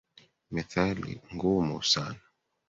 Methali ngumu sana.